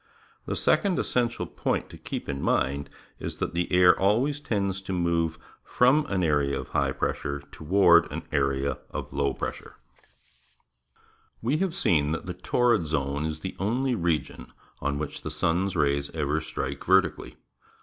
The second essential point to keep in mind is that the air always tends to move from an area of high pressure toward an area of low pressure. The Wind Systems of the World We have seen that the Torrid Zone is the only region on which the sun's rays ever strike vertically.